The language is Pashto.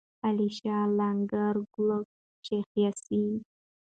علیشه، لنگر، کولک، شیخ یاسین.